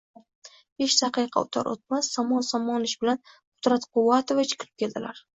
Besh daqiqa o`tar-o`tmas Somon Somonovich bilan Qudrat Quvvatovich kirib keldilar